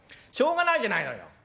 しょうがないじゃないのよ。